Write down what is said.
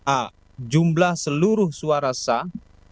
a jumlah seluruh suara sah